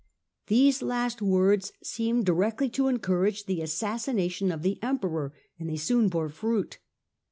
These last words seemed directly to encourage the assassination of the Emperor and they soon bore fruit.